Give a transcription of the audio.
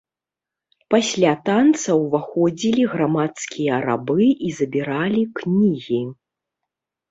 Пасля танца ўваходзілі грамадскія рабы і забіралі кнігі.